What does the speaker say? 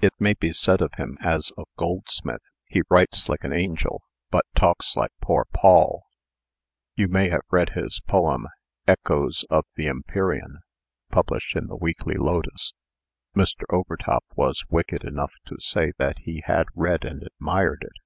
It may be said of him, as of Goldsmith, 'He writes like an angel, but talks like poor Poll.' You may have read his poem, 'Echoes of the Empyrean,' published in the Weekly Lotus." Mr. Overtop was wicked enough to say that he had read and admired it.